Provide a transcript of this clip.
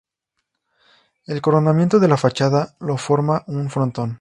El coronamiento de la fachada lo forma un frontón.